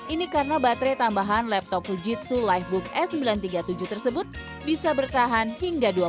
ini karena baterai tambahan laptop fujitsu livebook s sembilan ratus tiga puluh tujuh tersebut bisa bertahan hingga dua puluh